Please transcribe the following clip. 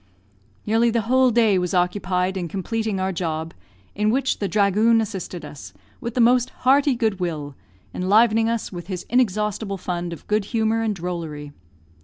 Nearly the whole day was occupied in completing our job, in which the "dhragoon" assisted us, with the most hearty good will, enlivening us with his inexhaustible fund of good humour and drollery.